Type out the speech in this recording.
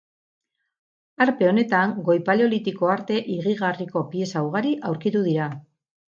Harpe honetan Goi Paleolitoko arte higigarriko pieza ugari aurkitu dira.